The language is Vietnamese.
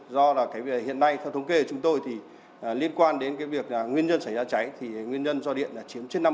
do là cái việc hiện nay theo thống kê của chúng tôi thì liên quan đến cái việc nguyên nhân xảy ra cháy thì nguyên nhân do điện là chiếm trên năm mươi